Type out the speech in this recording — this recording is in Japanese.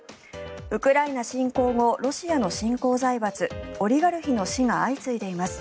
ウクライナ侵攻後ロシアの新興財閥オリガルヒの死が相次いでいます。